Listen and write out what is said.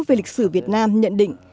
về lịch sử việt nam nhận định